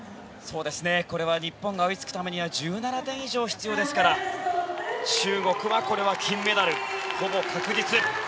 これは日本が追いつくためには１７点以上必要ですから中国は金メダル、ほぼ確実。